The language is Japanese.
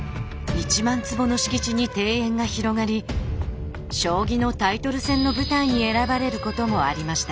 １万坪の敷地に庭園が広がり将棋のタイトル戦の舞台に選ばれることもありました。